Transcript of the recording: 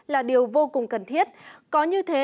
là điều vô cùng cần thiết có như thế